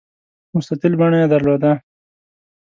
مستطیل بڼه یې درلوده.